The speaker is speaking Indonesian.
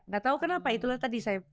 gak tahu kenapa itulah tadi saya